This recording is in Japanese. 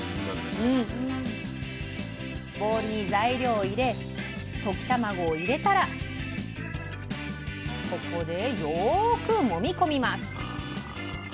ボウルに材料を入れ溶き卵を入れたらよく、もみこみます。